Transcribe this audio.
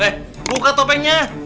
eh buka topengnya